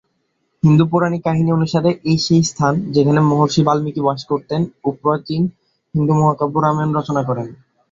হিন্দু পৌরাণিক কাহিনী অনুসারে, এই সেই স্থান যেখানে মহর্ষি বাল্মীকি বাস করতেন ও প্রাচীন হিন্দু মহাকাব্য রামায়ণ রচনা করেন।